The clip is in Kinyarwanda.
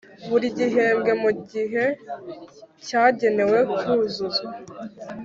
Buri gihembwe mu gihe cyagenewe kuzuzwa